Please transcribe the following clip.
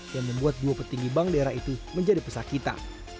yang membuat dua petinggi bank daerah itu menjadi pesakita